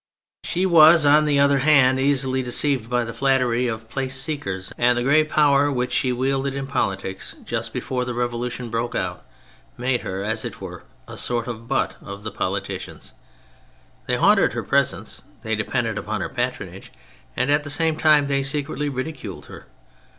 She was, on the other hand, easily deceived by the flattery of place seekers, and the great power which she wielded in politics just be fore the Revolution broke out made her, as it were, a sort of butt of the politicians. They haunted her presence, they depended upon her patronage, and, at the same time, they secretly ridiculed her.